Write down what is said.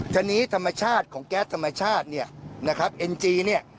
ทีนี้ธรรมชาติของแก๊สธรรมชาติเนี่ยนะครับเอ็นจีเนี่ย